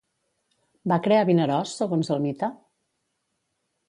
Va crear Vinaròs, segons el mite?